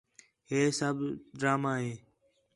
ہِے سب ڈرامہ ہِے